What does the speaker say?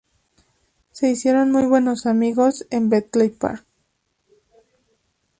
Se hicieron muy buenos amigos en Bletchley Park.